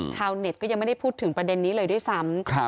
ชาวเน็ตก็ยังไม่ได้พูดถึงประเด็นนี้เลยด้วยซ้ำ